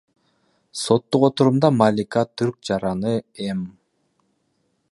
Соттук отурумда Малика түрк жараны М.